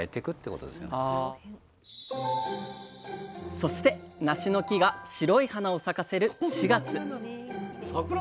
そしてなしの木が白い花を咲かせる